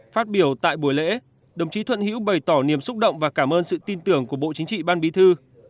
phát biểu tại buổi lễ đồng chí thuận hữu bày tỏ niềm xúc động và cảm ơn sự tin tưởng của bộ chính trị ban bí thư